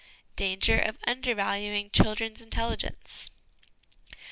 Danger of undervaluing Children's Intelligence.